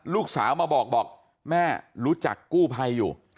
ลูกสาวมาบอกบอกแม่รู้จักกู้ภัยอยู่